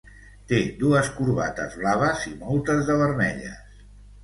Té dues corbates blaves i moltes de vermelles.